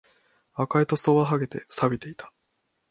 赤い塗装は剥げて、錆びていた